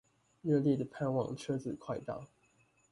熱烈地盼望車子快到